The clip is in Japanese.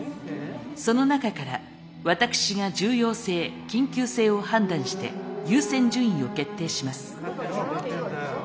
その中から私が重要性緊急性を判断して優先順位を決定します。